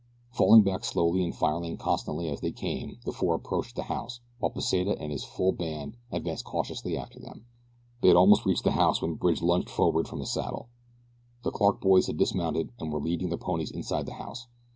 Falling back slowly and firing constantly as they came the four approached the house while Pesita and his full band advanced cautiously after them. They had almost reached the house when Bridge lunged forward from his saddle. The Clark boys had dismounted and were leading their ponies inside the house.